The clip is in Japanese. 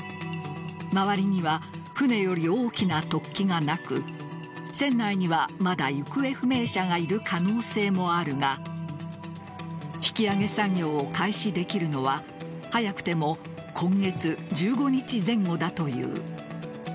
周りには船より大きな突起がなく船内にはまだ行方不明者がいる可能性もあるが引き揚げ作業を開始できるのは早くても今月１５日前後だという。